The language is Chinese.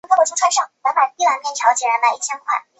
迪奥尔人口变化图示